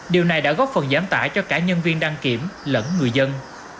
điều này đã góp phần giảm tải cho cả nhân viên đăng kiểm lẫn người dân